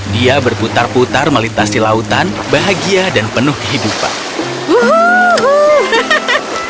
dia berputar putar melintasi lautan bahagia dan penuh kehidupan